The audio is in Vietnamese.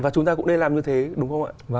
chúng ta cũng nên làm như thế đúng không ạ